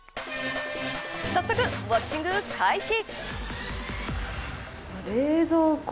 早速、ウオッチング開始。